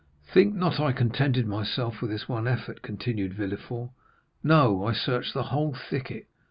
"Think not I contented myself with this one effort," continued Villefort. "No; I searched the whole thicket.